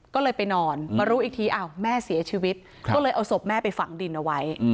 ก็เลยไปนอนมารู้อีกทีอ้าวแม่เสียชีวิตก็เลยเอาศพแม่ไปฝังดินเอาไว้